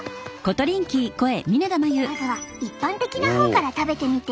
まずは一般的な方から食べてみて。